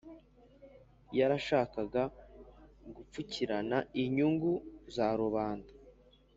yarashakaga gupfukirana inyungu za rubanda,